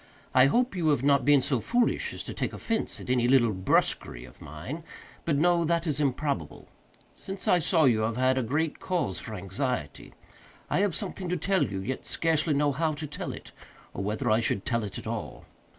I hope you have not been so foolish as to take offence at any little brusquerie of mine; but no, that is improbable. Since I saw you I have had great cause for anxiety. I have something to tell you, yet scarcely know how to tell it, or whether I should tell it at all.